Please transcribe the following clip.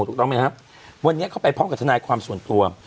ถูกต้องไหมครับวันนี้เขาไปพร้อมกับทนายความส่วนตัว